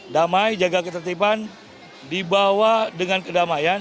damai jaga ketertiban dibawa dengan kedamaian